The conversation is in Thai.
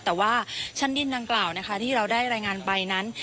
แต่ว่าชั้นดินดังกล่าวนะคะที่เราได้รายงานไปนั้น